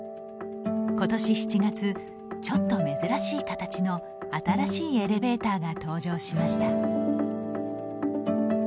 ことし７月、ちょっと珍しい形の新しいエレベーターが登場しました。